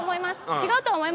違うとは思いますよ。